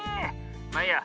まあいいや。